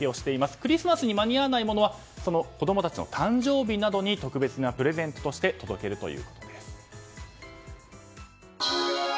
クリスマスに間に合わないものは子供たちの誕生日などに特別なプレゼントなどとして届けるということです。